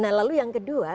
nah lalu yang kedua